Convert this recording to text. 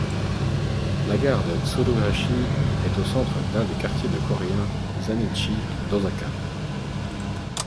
La gare de Tsuruhashi est au centre d'un des quartiers de Coréens zainichi d'Osaka.